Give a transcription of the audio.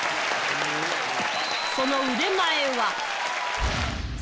その腕前は？